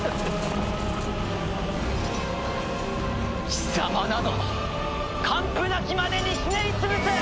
貴様など完膚なきまでにひねり潰す！